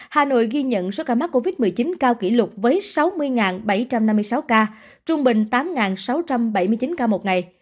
hà nội ghi nhận số ca mắc covid một mươi chín cao kỷ lục với sáu mươi bảy trăm năm mươi sáu ca trung bình tám sáu trăm bảy mươi chín ca một ngày